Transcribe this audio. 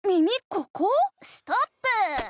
ここ⁉ストップー！